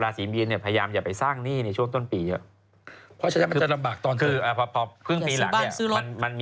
ลาศีมีนพยายามจะไปสร้างหนี้ในช่วงต้นปีก่อน